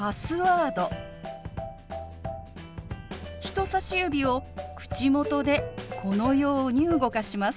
人さし指を口元でこのように動かします。